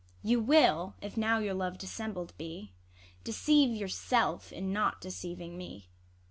You will, if now your love dissembled be, Deceive yourself in not deceiving me.